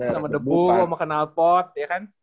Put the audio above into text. sama debu sama kenalpot ya kan